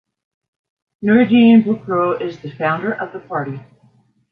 Noureddine Boukrou is the founder of the party.